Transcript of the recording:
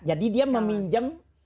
jadi dia meminjam